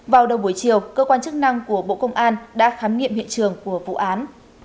vào đầu buổi chiều cơ quan chức năng của bộ công an đã khám nghiệm hiện trường của vụ án